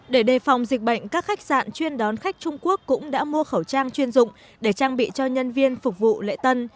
để đề phòng dịch bệnh các khách sạn chuyên đón khách trung quốc cũng đã mua khẩu trang chuyên dụng để trang bị cho nhân viên phục vụ lễ tân